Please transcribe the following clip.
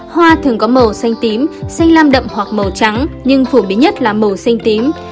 hoa thường có màu xanh tím xanh lam đậm hoặc màu trắng nhưng phổ biến nhất là màu xanh tím